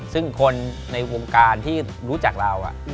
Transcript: ซึ่งคนในวงการที่รู้จักเรา